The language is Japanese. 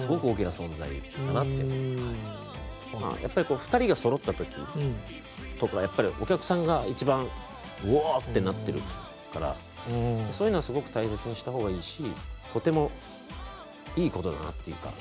２人がそろった時お客さんが一番うおぉってなってるからそういうのはすごく大切にした方がいいしとてもいいことだなっていうか